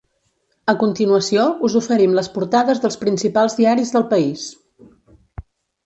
A continuació, us oferim les portades dels principals diaris del país.